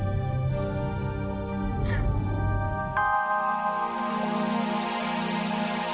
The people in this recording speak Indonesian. jadi per protestan gk ada apel apel singkong